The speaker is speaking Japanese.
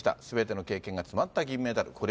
すべての経験が詰まった銀メダル。